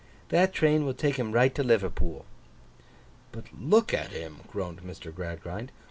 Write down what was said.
That train will take him right to Liverpool.' 'But look at him,' groaned Mr. Gradgrind.